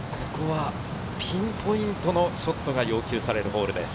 ピンポイントのショットが要求されるホールです。